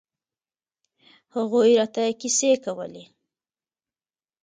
هغوى راته کيسې کولې.